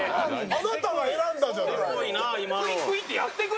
あなたが選んだじゃないの。